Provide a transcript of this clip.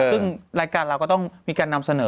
ซึ่งรายการเราก็ต้องมีการนำเสนอ